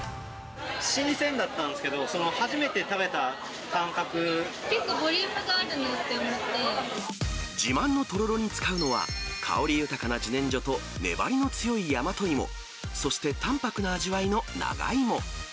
新鮮だったんですけど、結構ボリュームがあるなって自慢のとろろに使うのは、香り豊かなじねんじょと粘りの強い大和芋、そして淡泊な味わいの長芋。